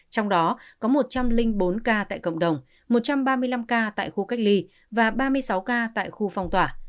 trong đó có một trăm linh bốn ca tại cộng đồng một trăm ba mươi năm ca tại khu cách ly và ba mươi sáu ca tại khu phong tỏa